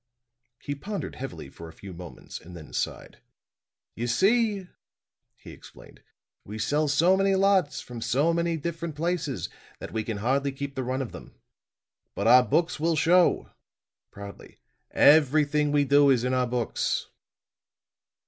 He pondered heavily for a few moments and then sighed. "You see," he explained, "we sell so many lots, from so many different places, that we can hardly keep the run of them. But our books will show," proudly; "everything we do is in our books."